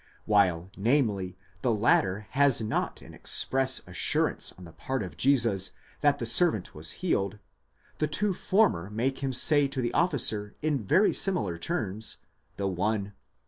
While namely, the latter has not an express assur ance on the part of Jesus that the servant was healed, the two former make him say to the officer, in very similar terms, the one, ὕπαγε, καὶ ὡς ἐπίστευσας.